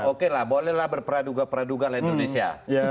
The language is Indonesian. oke lah bolehlah berperaduga peraduga lele indonesia